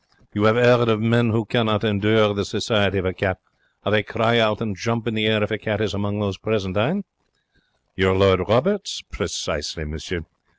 You have 'eard of men who cannot endure the society of a cat how they cry out and jump in the air if a cat is among those present. Hein? Your Lord Roberts? Precisely, monsieur.